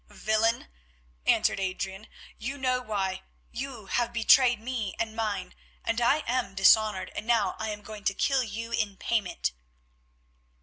"Villain," answered Adrian, "you know why; you have betrayed me and mine, and I am dishonoured, and now I am going to kill you in payment."